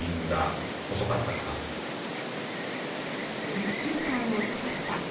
１週間遅かった。